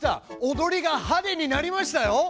踊りがはでになりましたよ！